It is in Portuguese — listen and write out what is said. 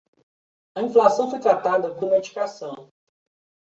A inflamação foi tratada com medicação